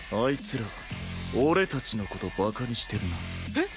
えっ？